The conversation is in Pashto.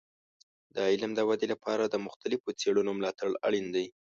د علم د ودې لپاره د مختلفو څیړنو ملاتړ اړین دی.